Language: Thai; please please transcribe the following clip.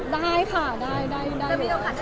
ได้ค่ะได้ได้ได้